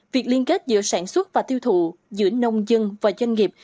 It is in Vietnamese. việc liên kết giữa sản xuất và tiêu thụ giữa nông dân và doanh nghiệp